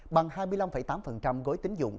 bằng hai mươi năm tám gói tính dụng